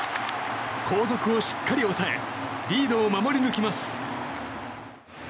後続をしっかり抑えリードを守り抜きます。